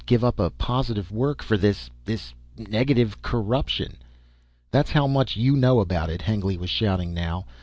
Give up a positive work, for this ... this negative corruption...." "That's how much you know about it." Hengly was shouting now.